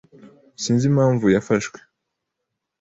S Sinzi impamvu yafashwe.